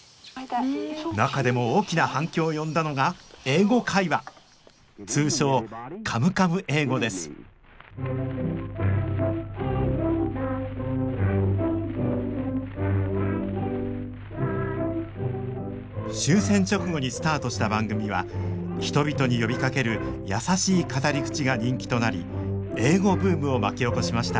中でも大きな反響を呼んだのが「英語会話」通称「カムカム英語」です終戦直後にスタートした番組は人々に呼びかける優しい語り口が人気となり英語ブームを巻き起こしました